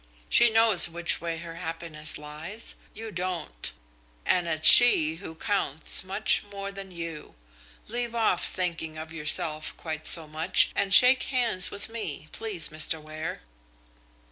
She knows which way her happiness lies. You don't. And it's she who counts much more than you. Leave off thinking of yourself quite so much and shake hands with me, please, Mr. Ware."